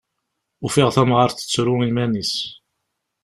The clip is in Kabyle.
Ufiɣ tamɣart tettru iman-is.